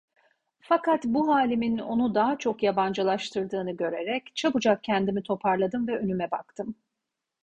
Fakat bu halimin onu daha çok yabancılaştırdığını görerek çabucak kendimi topladım ve önüme baktım.